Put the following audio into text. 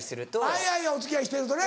はいはいお付き合いしてるとな。